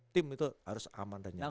tim itu harus aman dan nyaman